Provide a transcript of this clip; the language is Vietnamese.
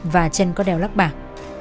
và chân có đeo lắc bạc